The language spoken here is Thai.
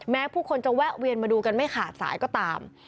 ผู้คนจะแวะเวียนมาดูกันไม่ขาดสายก็ตาม